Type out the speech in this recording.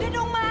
udah dong ma